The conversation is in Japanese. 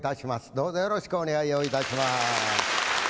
どうぞよろしくお願いをいたします。